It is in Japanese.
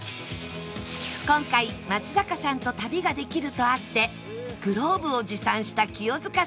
今回松坂さんと旅ができるとあってグローブを持参した清塚さん